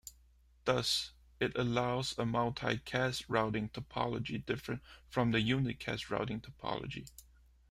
Thus, it allows a multicast routing topology different from the unicast routing topology.